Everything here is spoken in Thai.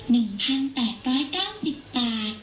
ราคา๙๐บาท